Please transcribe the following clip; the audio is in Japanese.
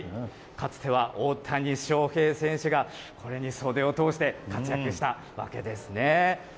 かつては大谷翔平選手がこれに袖を通して活躍したわけですね。